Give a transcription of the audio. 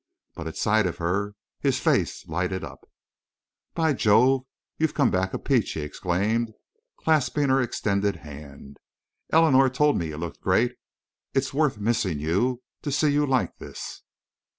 But at sight of her his face lighted up. "By Jove! but you've come back a peach!" he exclaimed, clasping her extended hand. "Eleanor told me you looked great. It's worth missing you to see you like this."